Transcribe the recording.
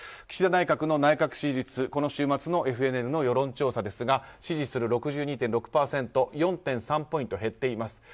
岸田内閣の内閣支持率この週末のＦＮＮの世論調査ですが支持する６２．６％４．３ポイント減っています。